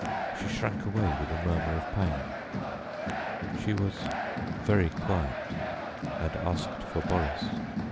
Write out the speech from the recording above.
She shrank away with a murmur of pain. She was very quiet, and asked for Boris.